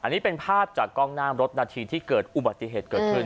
อันนี้เป็นภาพจากกล้องหน้ารถนาทีที่เกิดอุบัติเหตุเกิดขึ้น